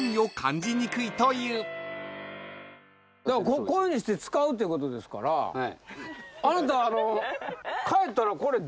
こういうふうにして使うってことですからあなた。